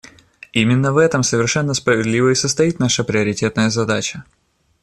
Именно в этом совершенно справедливо и состоит наша приоритетная задача.